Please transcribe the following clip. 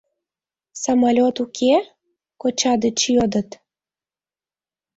— Самолёт уке? — коча деч йодыт.